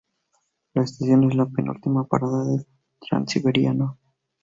La estación es la penúltima parada del Transiberiano.